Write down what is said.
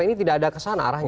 ini tidak ada kesana arahnya